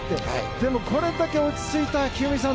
でも、これだけ落ち着いた一二三さん。